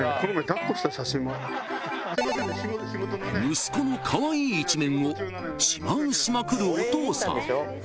［息子のカワイイ一面を自慢しまくるお父さん］